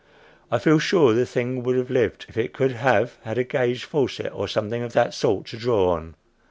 I feel sure the thing would have lived if it could have had a gauge faucet or something of that sort to draw on.